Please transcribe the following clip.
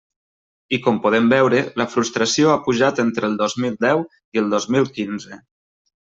I com podem veure, la frustració ha pujat entre el dos mil deu i el dos mil quinze.